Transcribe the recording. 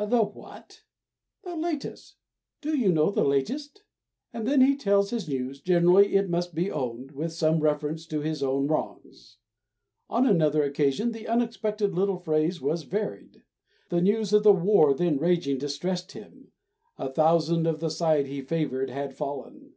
"The what?" "The latest: do you know the latest?" And then he tells his news, generally, it must be owned, with some reference to his own wrongs. On another occasion the unexpected little phrase was varied; the news of the war then raging distressed him; a thousand of the side he favoured had fallen.